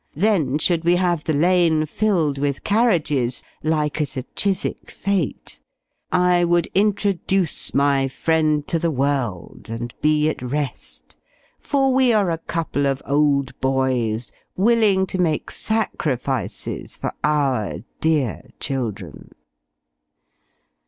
Then should we have the lane filled with carriages, like at a Chiswick fête; I would introduce my friend to the world, and be at rest; for we are a couple of old boys, willing to make sacrifices for our dear children.